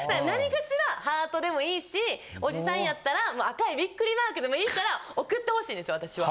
何かしらハートでもいいし、おじさんやったら、赤いビックリマークでもいいから送ってほしいんですよ。